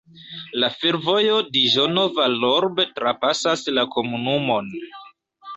La fervojo Diĵono-Vallorbe trapasas la komunumon.